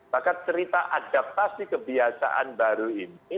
maka cerita adaptasi kebiasaan baru ini